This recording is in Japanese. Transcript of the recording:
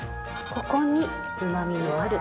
ここにうまみのある塩昆布。